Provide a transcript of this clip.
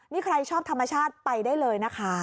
นี่ใครชอบธรรมชาติไปได้เลยนะคะ